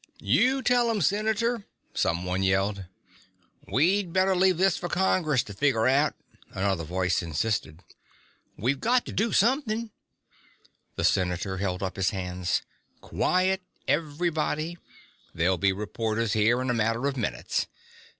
"You tell 'em, Senator!" someone yelled. "We better leave this for Congress to figger out!" another voice insisted. "We got to do something...." The senator held up his hands. "Quiet, everybody. There'll be reporters here in a matter of minutes.